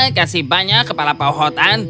terima kasih banyak kepala pao houghton